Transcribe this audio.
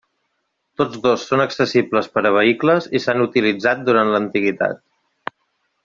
Tots dos són accessibles per a vehicles i s'han utilitzat durant l'antiguitat.